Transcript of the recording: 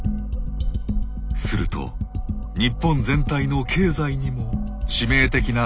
すると日本全体の経済にも致命的なダメージが。